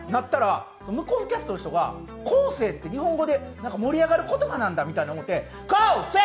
向こうのキャストの人が「こうせい」って日本語で盛り上がる言葉みたいに思って、コウセイ！